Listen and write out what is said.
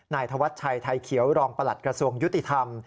นายธวัชชัยไทยเขียวรองประหลัดกระทรวงยุติธรรม